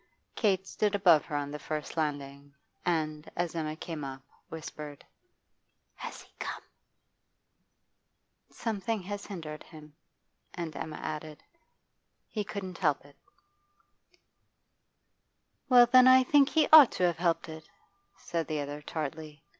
Kate stood above her on the first landing, and, as Emma came up, whispered: 'Has he come?' 'Something has hindered him.' And Emma added, 'He couldn't help it.' 'Well, then, I think he ought to have helped it,' said the other tartly.